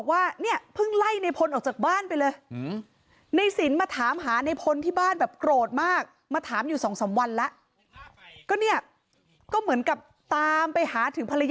ว่าเนี่ยเพิ่งไล่ในพลออกจากบ้านไปเลยในสินมาถามหาในพลที่บ้านแบบโกรธมากมาถามอยู่สองสามวันแล้วก็เนี่ยก็เหมือนกับตามไปหาถึงภรรยา